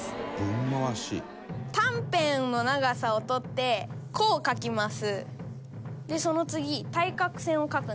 短辺の長さを取って弧を描きます。